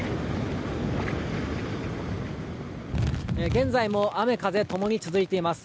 現在も雨、風ともに続いています。